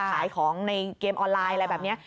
ขายของในเกมออนไลน์อะไรแบบนี้